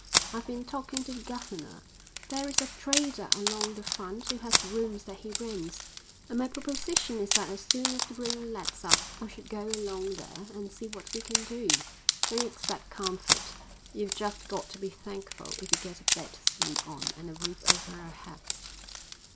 "I've been talking to the governor. There's a trader along the front who has rooms that he rents, and my proposition is that as soon as the rain lets up we should go along there and see what we can do. Don't expect comfort. You've just got to be thankful if we get a bed to sleep on and a roof over our heads."